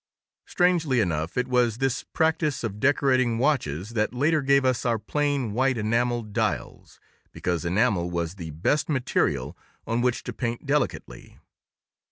Strangely enough, it was this practise of decorating watches that later gave us our plain white enameled dials, because enamel was the best material on which to paint delicately.